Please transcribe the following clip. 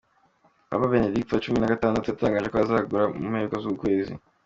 Papa Benedigito wa cumi na gatandatu yatangaje ko azegura mu mpera z’uku kwezi